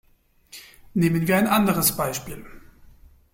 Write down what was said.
Nehmen wir ein anderes Beispiel.